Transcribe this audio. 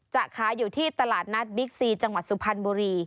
จะขายอยู่ที่ตลาดนัดบิ๊กซีจังหวัดสุพรรณบุรี